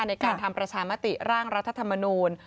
ในการทำประชามติร่างรัฐธรรมนูล